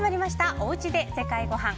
おうちで世界ごはん。